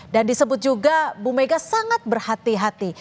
dan disebut juga bu mega sangat berhati hati